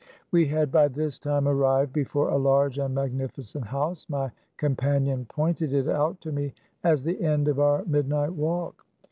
We had by this time arrived before a large and magnificent house. My companion pointed it out to me as the end of our midnight walk.